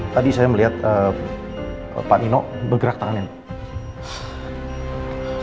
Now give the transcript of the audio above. tadi saya melihat pak ino bergerak tangannya